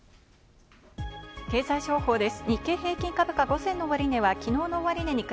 経済情報です。